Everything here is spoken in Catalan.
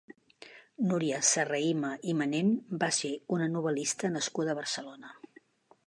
Núria Serrahima i Manén va ser una novel·lista nascuda a Barcelona.